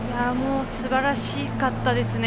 すばらしかったですね。